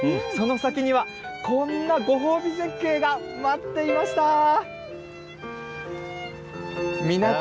その先には、こんなご褒美絶景が待っていました。